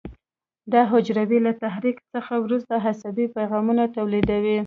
دا حجرې له تحریک څخه وروسته عصبي پیغامونه تولیدوي.